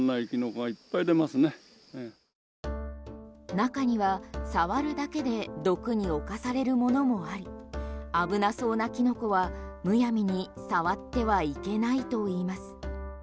中には触るだけで毒に侵されるものもあり危なそうなキノコはむやみに触ってはいけないといいます。